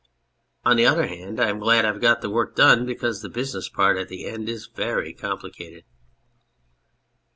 . On the other hand, I'm glad I've got the work done, because the business part at the end is very complicated.